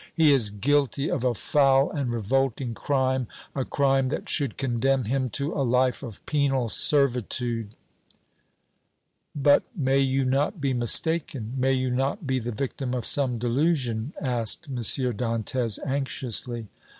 "He is guilty of a foul and revolting crime, a crime that should condemn him to a life of penal servitude!" "But may you not be mistaken, may you not be the victim of some delusion?" asked M. Dantès, anxiously.